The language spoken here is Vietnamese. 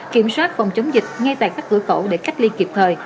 kiểm soát phòng chống dịch ngay tại các cửa khẩu để cách ly kịp thời